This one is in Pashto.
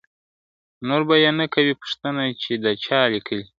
نور به یې نه کوې پوښتنه چي د چا کلی دی ..